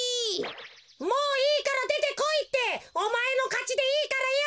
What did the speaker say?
もういいからでてこいっておまえのかちでいいからよ！